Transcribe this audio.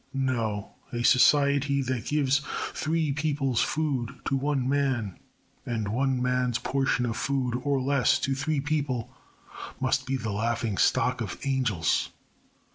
No, a society that gives three people's food to one man and one man's portion of food or less to three people must be the laughing stock of angels.